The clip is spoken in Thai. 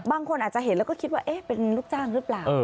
บางคนอาจจะเห็นแล้วก็คิดว่าเป็นลูกจ้างหรือเปล่า